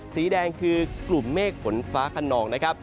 สีแดงคือกลุ่มเมฆฝนฟ้าขนองนะครับ